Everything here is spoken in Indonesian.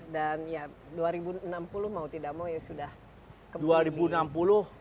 dan ya dua ribu enam puluh mau tidak mau ya sudah kembali